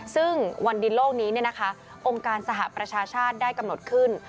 ซึ่งวันดินโลกนี้องค์การสหประชาชาติได้กำหนดขึ้น